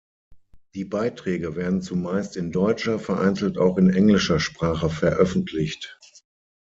Die Beiträge werden zumeist in deutscher, vereinzelt auch in englischer Sprache veröffentlicht.